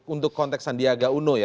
untuk konteks sandiaga uno ya